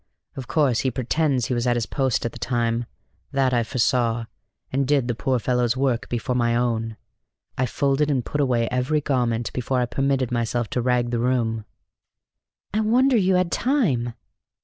Of course he pretends he was at his post at the time: that I foresaw, and did the poor fellow's work before my own. I folded and put away every garment before I permitted myself to rag the room." "I wonder you had time!"